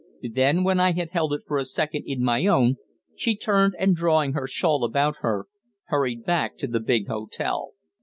Then, when I had held it for a second in my own, she turned and, drawing her shawl about her, hurried back to the big hotel.